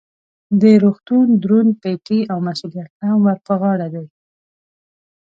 د روغتون دروند پیټی او مسؤلیت هم ور په غاړه دی.